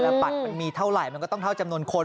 แล้วบัตรมันมีเท่าไหร่มันก็ต้องเท่าจำนวนคน